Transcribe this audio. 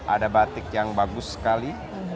ada batik yang bagus sekali